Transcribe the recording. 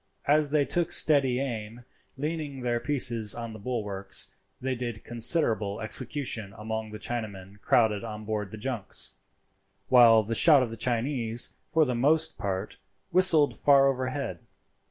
As they took steady aim, leaning their pieces on the bulwarks, they did considerable execution among the Chinamen crowded on board the junks, while the shot of the Chinese, for the most part, whistled far overhead.